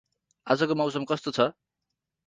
अाजको मौसम कस्तो छ?